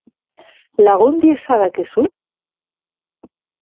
Lagun diezadakezu?